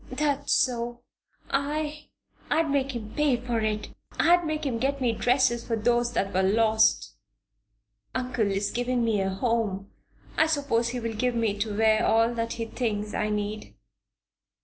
"That's so. I I'd make him pay for it! I'd make him get me dresses for those that were lost." "Uncle is giving me a home; I suppose he will give me to wear all that he thinks I need.